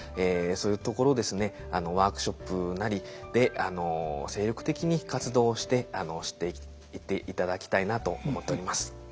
そういうところですねワークショップなりで精力的に活動をして知っていっていただきたいなと思っております。